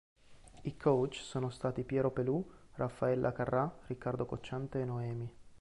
I coach sono stati Piero Pelù, Raffaella Carrà, Riccardo Cocciante e Noemi.